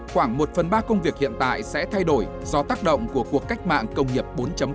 khoảng một phần ba công việc hiện tại sẽ thay đổi do tác động của cuộc cách mạng công nghiệp bốn